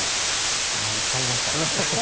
いやいっぱいいましたね。